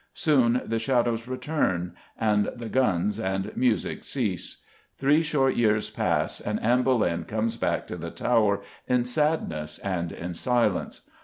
Soon the shadows return, and the "gonnes" and the music cease. Three short years pass and Anne Boleyn comes back to the Tower in sadness and in silence.